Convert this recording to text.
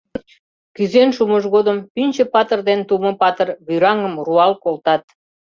Кӱзен шумыж годым Пӱнчӧ-патыр ден Тумо-патыр вӱраҥым руал колтат.